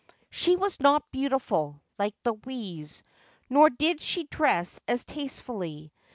She was not beautiful, like Louise, nor did she dress as taste fully.